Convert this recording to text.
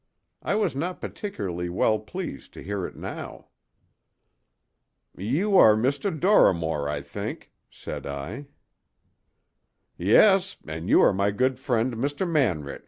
I was not particularly well pleased to hear it now. "You are Dr. Dorrimore, I think," said I. "Yes; and you are my good friend Mr. Manrich.